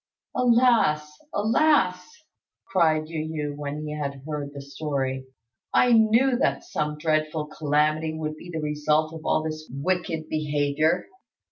"Alas! alas!" cried Yu yü, when he had heard the story, "I knew that some dreadful calamity would be the result of all this wicked behaviour.